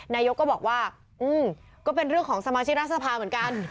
นายกก็บอกว่าก็เป็นเรื่องของสมาชิกรัฐสภาเหมือนกัน